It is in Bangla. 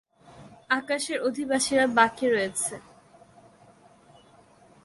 আকাশের অধিবাসীরা বাকী রয়েছে।